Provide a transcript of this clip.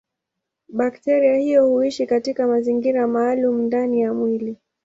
Bakteria hiyo huishi katika mazingira maalumu ndani ya mwili.